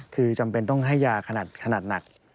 คือจำเป็นต้องให้ยาขนาดหนัก